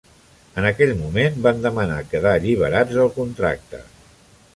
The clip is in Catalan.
En aquell moment, van demanar quedar alliberats del contracte.